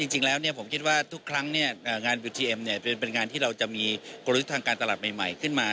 จริงแล้วผมคิดว่าทุกครั้งงานบีทีเอ็มเป็นงานที่เราจะมีกลยุทธ์ทางการตลาดใหม่ขึ้นมา